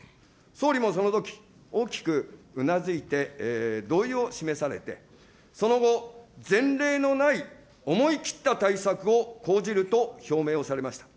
総理もそのとき、大きくうなずいて、同意を示されて、その後、前例のない思い切った対策を講じると表明をされました。